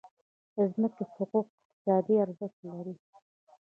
د ځمکې حقوق اقتصادي ارزښت لري.